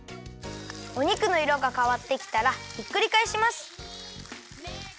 お肉のいろがかわってきたらひっくりかえします。